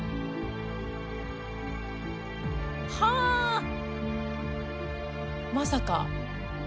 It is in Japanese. はあー、まさか。